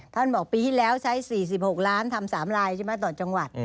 บอกปีที่แล้วใช้๔๖ล้านทำ๓ลายใช่ไหมต่อจังหวัด